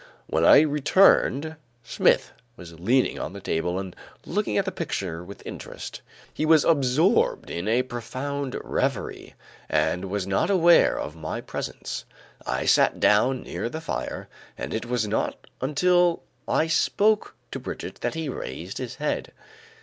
When I returned, Smith was leaning on the table and looking at the picture with interest. He was absorbed in a profound reverie and was not aware of my presence; I sat down near the fire and it was not until I spoke to Brigitte that he raised his head.